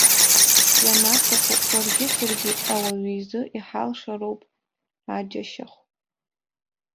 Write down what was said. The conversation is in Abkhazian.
Ианаҭаху уаргьы саргьы ауаҩы изы иҳалшароуп аџьашьахә.